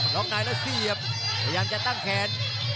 ล็อกในแล้วเสียบพยายามจะตั้งแขน